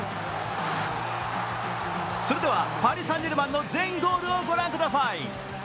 それでは、パリ・サン＝ジェルマンの全ゴールをご覧ください。